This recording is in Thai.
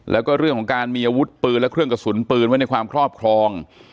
แล้วก็เรื่องของการมีอาวุธปืนและเครื่องกระสุนปืนไว้ในความครอบครอง